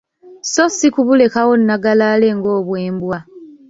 So si kubulekaawo nnagalaale ng‘obwembwa.